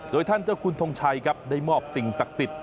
โดยท่านเจ้าคุณทงชัยครับได้มอบสิ่งศักดิ์สิทธิ